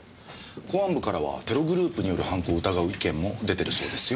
公安部からはテログループによる犯行を疑う意見も出てるそうですよ。